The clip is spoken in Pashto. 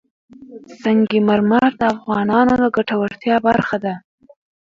سنگ مرمر د افغانانو د ګټورتیا برخه ده.